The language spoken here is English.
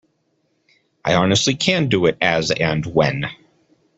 I honestly can do it as and when.